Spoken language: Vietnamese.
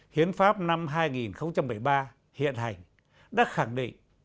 hiến pháp năm hai nghìn một mươi ba hiện hành đã khẳng định